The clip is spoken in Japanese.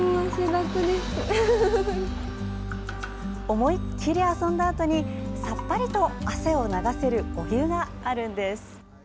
思いっきり遊んだあとにさっぱりと汗を流せるお湯があるんです。